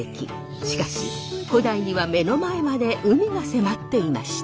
しかし古代には目の前まで海が迫っていました。